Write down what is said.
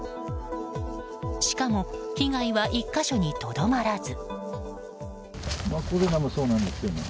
しかも被害は１か所にとどまらず。